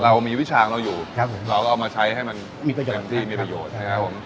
เรามีวิชาของเราอยู่ครับผมเราเอามาใช้ให้มันมีประโยชน์มีประโยชน์